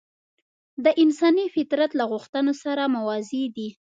د انساني فطرت له غوښتنو سره موازي دي.